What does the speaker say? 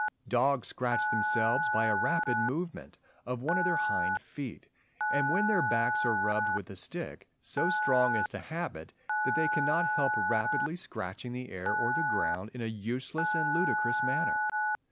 Dogs scratch themselves by a rapid movement of one of their hind feet; and when their backs are rubbed with a stick, so strong is the habit, that they cannot help rapidly scratching the air or the ground in a useless and ludicrous manner.